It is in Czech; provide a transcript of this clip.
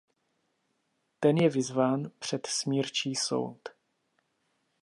Ten je vyzván před smírčí soud.